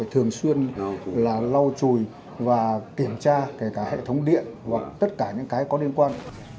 hoặc tất cả những cái có liên quan